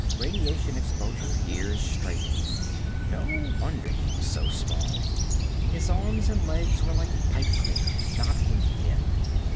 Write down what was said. Radiation exposure, years straight. No wonder he was so small. His arms and legs were like pipecleaners, knobby, and thin.